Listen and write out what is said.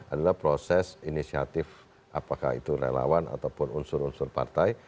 adalah proses inisiatif apakah itu relawan ataupun unsur unsur partai